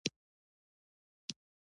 ګني ماته خو زما زامن هم سپکې سپورې وائي" ـ